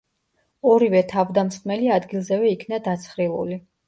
ორივე თავდამსხმელი ადგილზევე იქნა დაცხრილული.